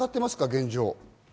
現状。